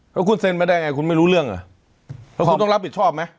แล้วคุณเซ็นมาได้ไงคุณไม่รู้เรื่องเหรอแล้วคุณต้องรับผิดชอบไหม